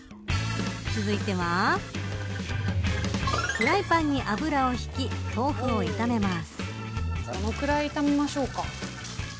続いてはフライパンに油を敷き豆腐を炒めます。